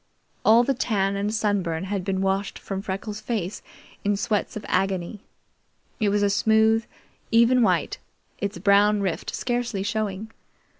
All the tan and sunburn had been washed from Freckles' face in sweats of agony. It was a smooth, even white, its brown rift scarcely showing.